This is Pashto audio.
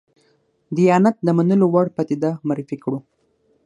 دیانت د منلو وړ پدیده معرفي کړو.